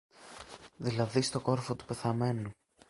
δηλαδή στον κόρφο του πεθαμένου.